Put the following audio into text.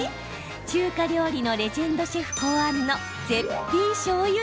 中華料理のレジェンドシェフ考案の絶品しょうゆ